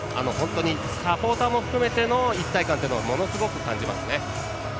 サポーターも含めての一体感はものすごく感じます。